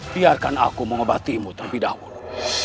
biarkan aku mengobatimu terlebih dahulu